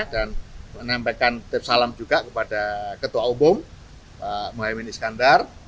dan menambahkan tips salam juga kepada ketua umum pak mohamed iskandar